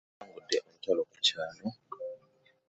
Tuwangudde olutalo ku mulyango.